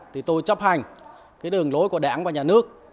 thì tôi chấp hành cái đường lối của đảng và nhà nước